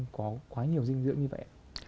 có quá nhiều dinh dưỡng như vậy